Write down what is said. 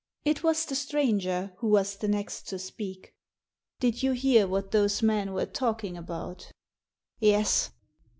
It was the stranger who was the next to speak, "Did you hear what those men were talking about?" "Yes."